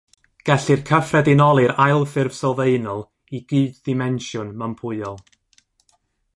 Gellir cyffredinoli'r ail ffurf sylfaenol i gyd-ddimensiwn mympwyol.